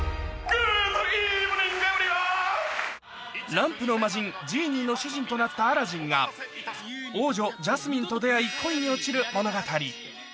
ランプの魔人ジーニーの主人となったアラジンが王女ジャスミンと出会い